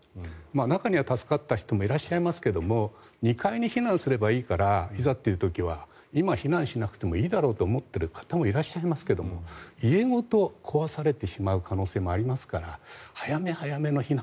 中には助かった人もいらっしゃいますけれど２階に避難すればいいからいざという時は今、避難しなくてもいいだろうと思っている方もいらっしゃいますけれども家ごと壊されてしまう可能性もありますから早め早めの避難